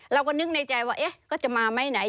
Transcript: เราก็นึกในใจว่าเอ๊ะก็จะมาไหมไหน